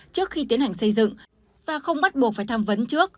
trước khi tiến hành xây dựng và không bắt buộc phải tham vấn trước